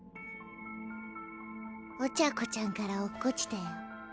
お茶子ちゃんから落っこちたよ。